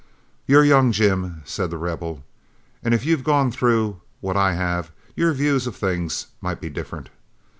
"You're young, Jim," said The Rebel, "and if you'd gone through what I have, your views of things might be different.